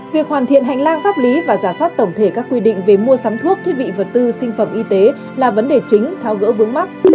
việc hoàn thiện hành lang pháp lý và giả soát tổng thể các quy định về mua sắm thuốc thiết bị vật tư sinh phẩm y tế là vấn đề chính tháo gỡ vướng mắt